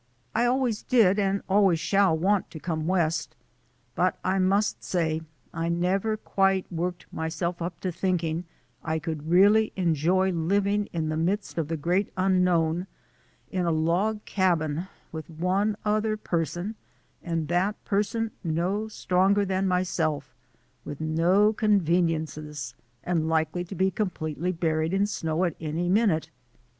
I always did and always shall want to come West, but I must say I never quite worked myself up to thinking I could really 262 THE ADVENTURES OF A NATURE GUIDE enjoy living in the midst of the great unknown in a log cabin with one other person, and that person no stronger than myself, with no conveniences, and likely to be completely buried in snow at any minute.